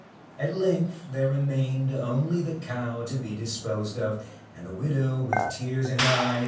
At length there remained only the cow to be dis posed of, and the widow, with tears in her eyes.